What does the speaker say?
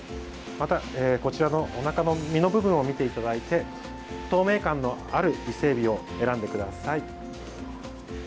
また、こちらのおなかの身の部分を見ていただいて透明感のある伊勢えびを選んでください。